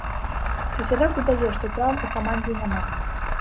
Кісялёў дадае, што траўм у камандзе няма.